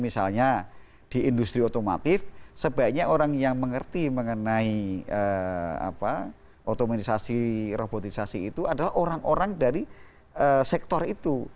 misalnya di industri otomatif sebaiknya orang yang mengerti mengenai otomatisasi robotisasi itu adalah orang orang dari sektor itu